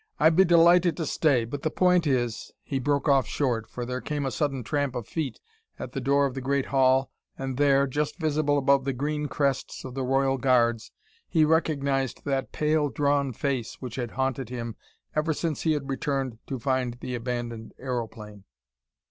"I'd be delighted to stay, but the point is He broke off short, for there came a sudden tramp of feet at the door of the great hall and there, just visible above the green crests of the royal guards, he recognized that pale, drawn face which had haunted him ever since he had returned to find the abandoned aeroplane.